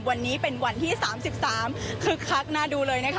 วันนี้เป็นวันที่๓๓คึกคักน่าดูเลยนะคะ